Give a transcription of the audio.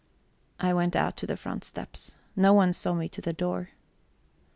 I went out to the front steps; no one saw me to the door.